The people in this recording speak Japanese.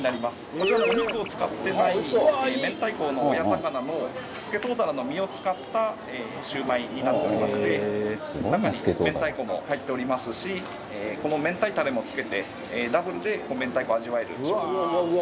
こちらはお肉を使ってない明太子の親魚のスケトウダラの身を使ったシュウマイになっておりまして中に明太子も入っておりますしこの明太たれもつけてダブルで明太子を味わえる商品になってます。